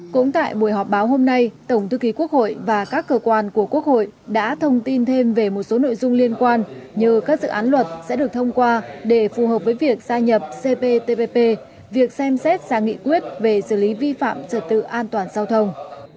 cũng tại buổi họp báo hôm nay tổng thư ký quốc hội và các cơ quan của quốc hội đã thông tin thêm về một số nội dung liên quan như các dự án luật sẽ được thông qua để phù hợp với việc gia nhập cptpp việc xem xét ra nghị quyết về xử lý vi phạm trật tự an toàn giao thông